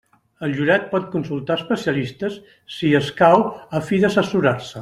El jurat pot consultar especialistes, si escau, a fi d'assessorar-se.